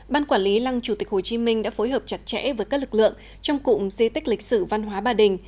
ban quản lý lăng chủ tịch hồ chí minh đã phối hợp chặt chẽ với các lực lượng trong cụm di tích lịch sử văn hóa bà đình